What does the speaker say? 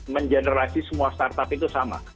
men generasi semua start up itu sama